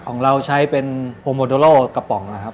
ของเราใช้เป็นโฮโมโดโลกระป๋องนะครับ